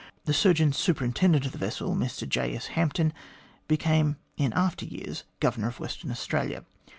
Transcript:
The Surgeon Superintendent of the vessel, Mr J. S. Hampton, became in after years Governor of Western Australia.